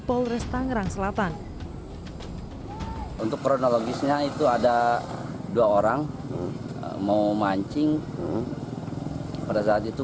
polres tangerang selatan untuk kronologisnya itu ada dua orang mau mancing pada saat itu